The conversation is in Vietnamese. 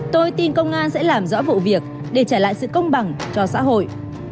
tôi tin công an sẽ làm rõ vụ việc để trả lại sự công bằng cho xã hội